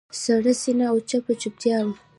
سړه سینه او چپه چوپتیا وه.